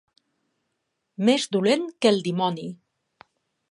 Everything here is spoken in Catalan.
Més dolent que el dimoni.